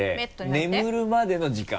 眠るまでの時間。